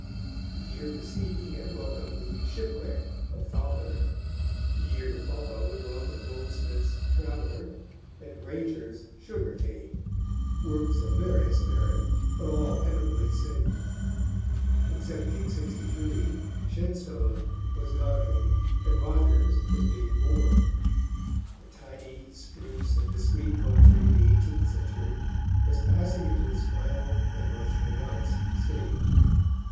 The year preceding had welcomed the Shipwreck of Falconer, the year to follow would welcome Goldsmith's Traveller and Grainger's Sugar Cane, works of various merit, but all eminently sane. In 1763 Shenstone was dying and Rogers was being born. The tidy, spruce, and discreet poetry of the eighteenth century was passing into its final and most pronounced stage.